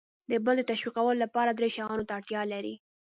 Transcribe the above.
د بل د تشویقولو لپاره درې شیانو ته اړتیا لر ئ :